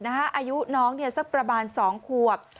อายุน้องสักประมาณ๒ขวบ